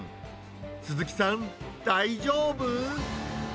鈴木さん、大丈夫？